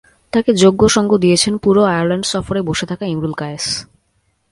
তাঁকে যোগ্য সঙ্গ দিয়েছেন পুরো আয়ারল্যান্ড সফরে বসে থাকা ইমরুল কায়েস।